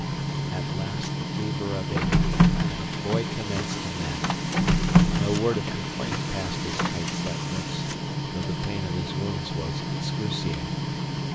At last the fever abated and the boy commenced to mend. No word of complaint passed his tight set lips, though the pain of his wounds was excruciating.